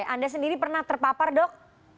anda sendiri pernah terpapar dok